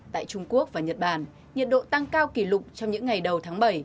tại trung quốc và nhật bản nhiệt độ tăng cao kỷ lục trong những ngày đầu tháng bảy